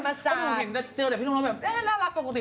มายังไม่เคยเป็นพระเอกละครเวที